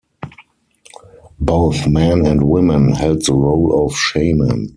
Both men and women held the role of shaman.